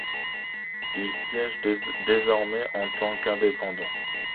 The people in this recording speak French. Il siège désormais en tant qu'indépendant.